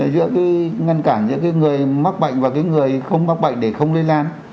giữa cái ngăn cản giữa cái người mắc bệnh và cái người không mắc bệnh để không lây lan